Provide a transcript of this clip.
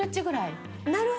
なるほどね。